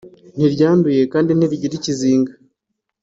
ntiryanduye kandi ntirigira ikizinga